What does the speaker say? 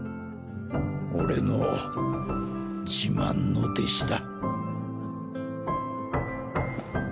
俺の自慢の弟子だ。